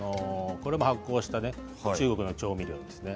これも発酵した中国の調味料です。